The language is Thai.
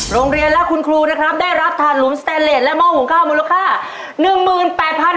โรงเรียนและคุณครูนะครับได้รับถาดหลุมสแตนเลสและหม้อหุงข้าวมูลค่า๑๘๐๐บาท